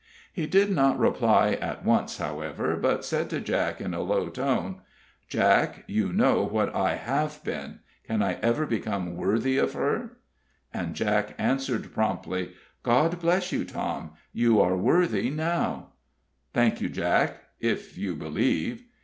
He did not reply at once, however, but said to Jack, in a low tone: "Jack, you know what I have been can I ever become worthy of her?" And Jack answered, promptly: "God bless you, Tom, you are worthy now!" "Thank you, Jack if you believe!"